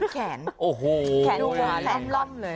แขนข้มล่มเลย